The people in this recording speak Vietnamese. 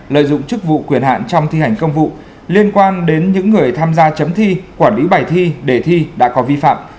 lợi dụng chức vụ quyền hạn trong thi hành công vụ liên quan đến những người tham gia chấm thi quản lý bài thi đề thi đã có vi phạm